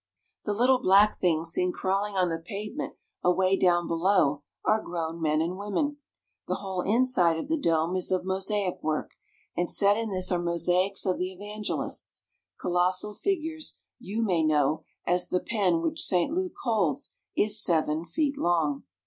The little black things seen crawling on the pavement away down below are grown men and women. The whole inside of the dome is of mosaic work, and set in this are mosaics of the evangelists colossal figures, you may know, as the pen which St. Luke holds is seven feet long.